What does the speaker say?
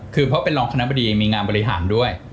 คือเพราะเป็นรองคณะบดีมีงานบริหารด้วย